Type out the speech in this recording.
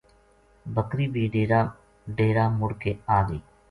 بکری بھی ڈیرا مڑ کے آ گئی۔